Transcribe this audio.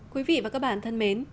quý vị và các bạn thân mến